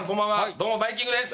どうもバイきんぐです！